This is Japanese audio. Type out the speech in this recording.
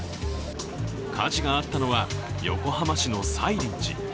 火事があったのは横浜市の西林寺。